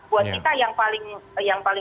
buat kita yang paling utama catatannya adalah